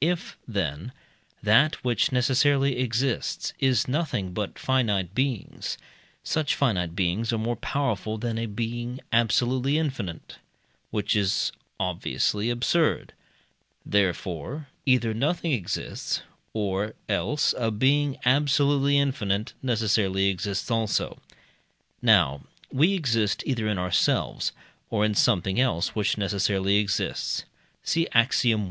If, then, that which necessarily exists is nothing but finite beings, such finite beings are more powerful than a being absolutely infinite, which is obviously absurd; therefore, either nothing exists, or else a being absolutely infinite necessarily exists also. Now we exist either in ourselves, or in something else which necessarily exists (see Axiom.